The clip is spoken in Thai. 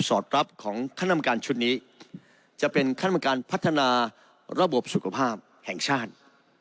อดรับของคณะกรรมการชุดนี้จะเป็นขั้นตอนพัฒนาระบบสุขภาพแห่งชาติ